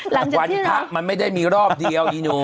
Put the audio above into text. หลังจากที่เราวันที่พักมันไม่ได้มีรอบเดียวอีหนู